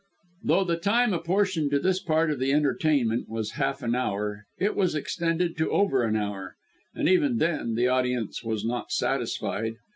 Though the time apportioned to this part of the entertainment was half an hour, it was extended to over an hour, and even then the audience was not satisfied.